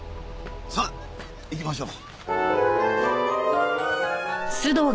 さあ行きましょう。